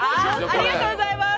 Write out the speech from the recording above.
ありがとうございます。